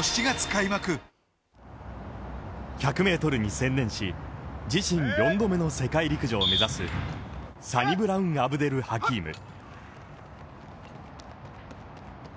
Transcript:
１００ｍに専念し、自身４度目の世界陸上を目指すサニブラウン・アブデル・ハキーム。